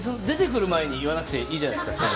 出てくる前に言わなくていいじゃないですか。